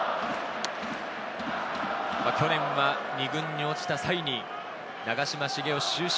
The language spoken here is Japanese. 去年は２軍に落ちた際に、長嶋茂雄終身